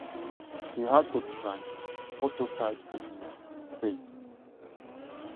He also designed Phototypesetting faces.